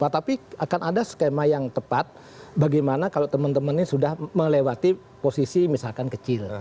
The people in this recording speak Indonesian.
tapi akan ada skema yang tepat bagaimana kalau teman teman ini sudah melewati posisi misalkan kecil